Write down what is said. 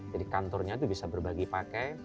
jadi kantornya itu bisa berbagi pakai